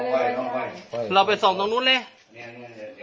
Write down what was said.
เราไปส่องตรงนู้นเลย